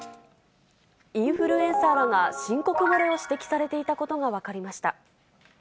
インフルエンサーらが申告漏れを指摘されていたことが分かりました。